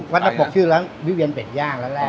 วัดนักบกชื่อแล้ววิเวียนเป็ดย่าง